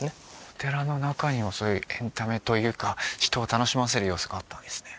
お寺の中にもそういうエンタメというか人を楽しませる要素があったわけですね